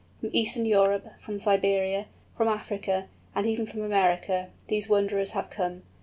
From Eastern Europe, from Siberia, from Africa, and even from America, these wanderers have come.